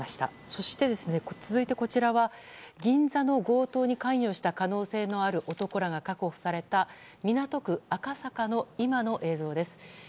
そして、続いてこちらは銀座の強盗に関与した可能性のある男らが確保された港区赤坂の今の映像です。